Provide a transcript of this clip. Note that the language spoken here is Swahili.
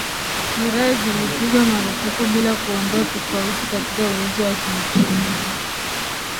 kiraa zilipigwa marufuku bila kuondoa tofauti katika uwezo wa kiuchumi